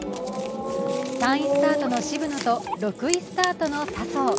３位スタートの渋野と６位スタートの笹生。